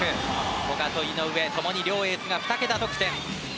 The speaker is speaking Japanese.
古賀と井上、共に両エースが２桁得点。